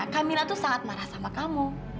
kamilah itu sangat marah sama kamu